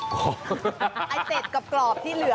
ไอ้เป็ดกรอบที่เหลือ